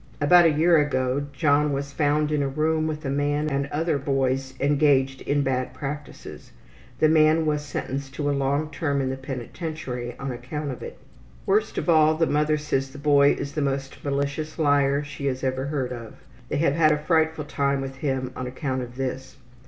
About a year ago John was found in a room with a man and other boys engaged in bad practices. The man was sentenced to a long term in the penitentiary on account of it. Worst of all, the mother says the boy is the most malicious liar she has ever heard of. They have had a frightful time with him on account of this.